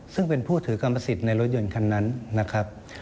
ซึ่งเป็นผู้ถือกรรมสิทธิ์ในรถยนต์คันนั้นนะครับ